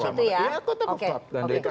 kontemafor itu ya